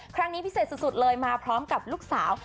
ครั้งนี้พิเศษสุดเลยมาพร้อมกับลูกสาว